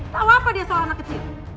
tau apa dia soal anak kecil